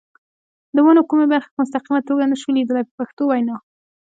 د ونو کومې برخې په مستقیمه توګه نشو لیدلای په پښتو وینا.